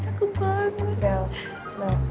cakep banget bel